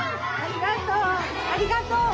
ありがとう！